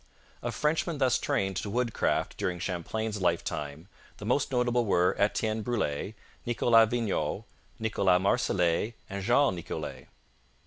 Of Frenchmen thus trained to woodcraft during Champlain's lifetime the most notable were Etienne Brule, Nicolas Vignau, Nicolas Marsolet, and Jean Nicolet.